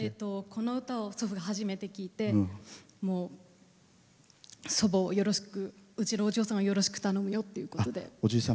この歌を初めて聴いて祖母をよろしくうちのお嬢さんをよろしく頼むよということで。